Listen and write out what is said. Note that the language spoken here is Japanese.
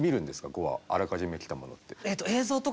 ５話あらかじめ来たものって。